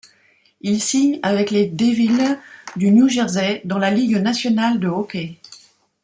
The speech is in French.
Il signe avec les Devils du New Jersey dans la Ligue nationale de hockey.